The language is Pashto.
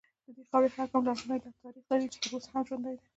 د دې خاورې هر ګام لرغونی تاریخ لري چې تر اوسه هم ژوندی دی